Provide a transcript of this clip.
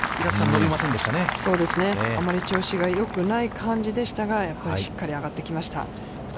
あんまり調子がよくない感じでしたが、しっかり上がってきました。